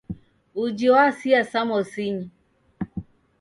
Uji wasia samosinyi.